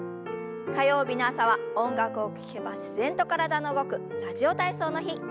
火曜日の朝は音楽を聞けば自然と体の動く「ラジオ体操」の日。